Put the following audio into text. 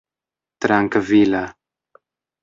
trankvila